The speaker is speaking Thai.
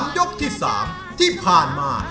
ยกที่๓ที่ผ่านมา